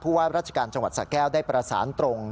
ว่าราชการจังหวัดสะแก้วได้ประสานตรง